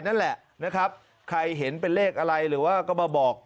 นั่นแหละนะครับใครเห็นเป็นเลขอะไรหรือว่าก็มาบอก